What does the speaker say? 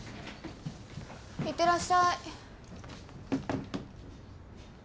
いってらっしゃい。